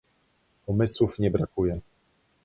Pomysłów nie brakuje